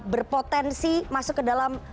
berpotensi masuk ke dalam